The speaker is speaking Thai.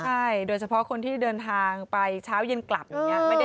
ใช่โดยเฉพาะคนที่เดินทางไปเช้าเย็นกลับอย่างนี้